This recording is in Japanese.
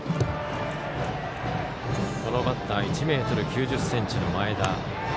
このバッター１ｍ９０ｃｍの前田。